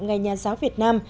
ngày nhà giáo việt nam